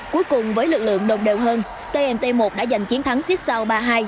cuối cùng với lực lượng đồng đều hơn tnt một đã giành chiến thắng siết sao ba hai